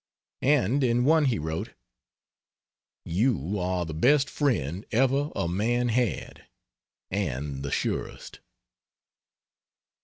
And in one he wrote: "You are the best friend ever a man had, and the surest."